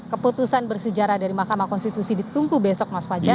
keputusan bersejarah dari mahkamah konstitusi ditunggu besok mas fajar